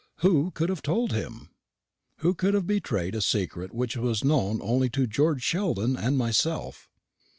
Who could have told him? Who could have betrayed a secret which was known only to George Sheldon and myself?